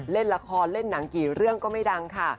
เล่นละครเล่นหนังกี่เรื่องก็ไม่ดังค่ะ